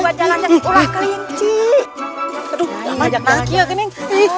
aduh lama ajak nangki lagi nih